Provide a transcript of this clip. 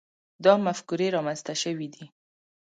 دا مفکورې رامنځته شوي دي.